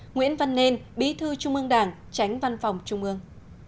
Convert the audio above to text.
nguyễn văn nên bí thư trung ương đảng tránh văn phòng trung ương